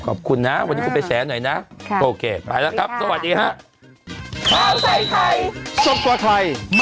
ขอบคุณนะวันนี้คุณไปแฉหน่อยนะโอเคไปแล้วครับสวัสดีฮะ